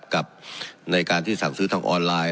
กับในการที่สั่งซื้อทางออนไลน์